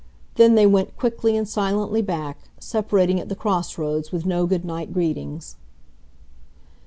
Then they went quickly and silently back, separating at the cross roads with no good night greetings.